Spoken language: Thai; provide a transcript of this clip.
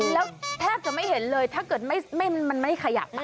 แล้วแทบจะไม่เห็นเลยถ้าเกิดมันไม่ขยับไป